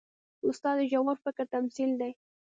استاد د ژور فکر تمثیل دی.